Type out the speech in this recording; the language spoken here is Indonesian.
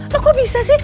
loh kok bisa sih